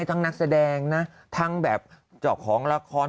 ลิขิตรักฆ่ามดวงดาวจะออกแล้ว